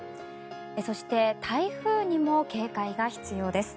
そして台風にも警戒が必要です。